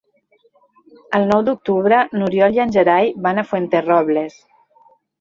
El nou d'octubre n'Oriol i en Gerai van a Fuenterrobles.